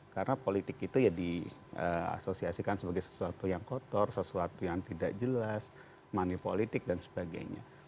karena politik itu ya diasosiasikan sebagai sesuatu yang kotor sesuatu yang tidak jelas manipolitik dan sebagainya